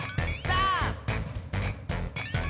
さあ！